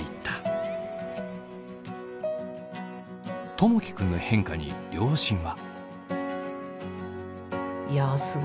友輝君の変化に両親は。